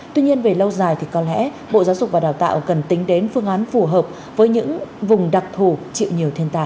tuy nhiên về lâu dài thì có lẽ bộ giáo dục và đào tạo cần tính đến phương án phù hợp với những vùng đặc thù chịu nhiều thiên tài